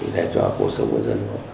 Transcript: để cho cuộc sống của dân